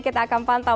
kita akan pantau